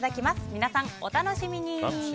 皆さん、お楽しみに。